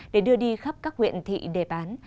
để đưa đi khắp các huyện thị để bán